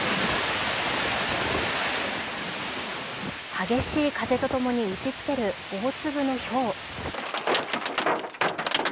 激しい風とともに打ちつける大粒のひょう。